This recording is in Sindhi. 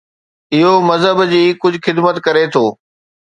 اهو مذهب جي ڪجهه خدمت ڪري ٿو.